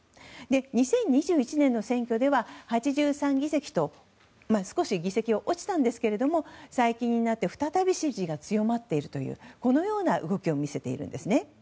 ２０２１年の選挙では８３議席と少し議席は落ちたんですけれども最近になって再び支持が強まっているというこのような動きを見せているんですね。